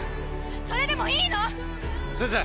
それでもいいの⁉すず！